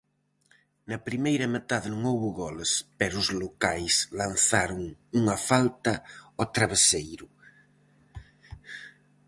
Na primeira metade non houbo goles, pero os locais lanzaron unha falta ao traveseiro.